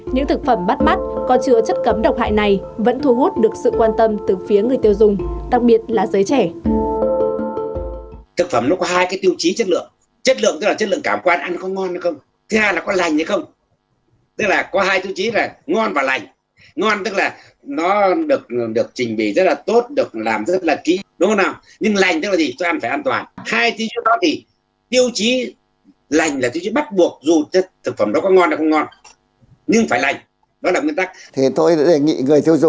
những thực phẩm bắt bắt còn chứa chất cấm độc hại này vẫn thu hút được sự quan tâm từ phía người tiêu dùng đặc biệt là giới trẻ